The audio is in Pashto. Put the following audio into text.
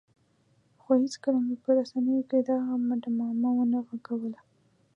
خو هېڅکله مې په رسنیو کې د هغه ډمامه ونه غږوله.